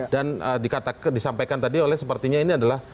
dan disampaikan tadi oleh sepertinya ini adalah